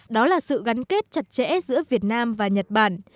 đó là sự gắn kết chặt chẽ giữa việt nam và nhật bản